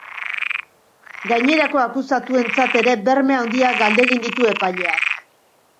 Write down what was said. Gainerako akusatuentzat ere berme handiak galdegin ditu epaileak.